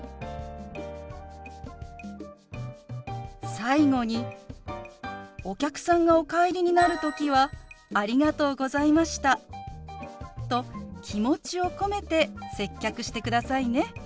最後にお客さんがお帰りになる時は「ありがとうございました」と気持ちを込めて接客してくださいね。